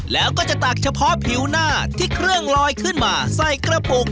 แล้วก็จะตักเฉพาะผิวหน้าที่เครื่องลอยขึ้นมาใส่กระปุก